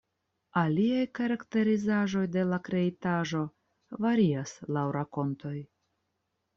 Aliaj karakterizaĵoj de la kreitaĵo varias laŭ rakontoj.